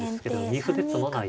二歩で詰まない。